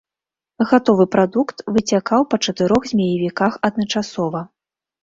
Гатовы прадукт выцякаў па чатырох змеявіках адначасова.